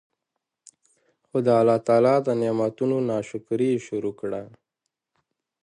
خو د الله تعالی د نعمتونو نا شکري ئي شروع کړه